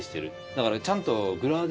だからちゃんと。